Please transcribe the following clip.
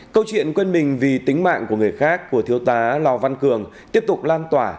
câu chuyện quên mình vì tính mạng của người khác của thiếu tá lò văn cường tiếp tục lan tỏa